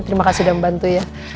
terima kasih sudah membantu ya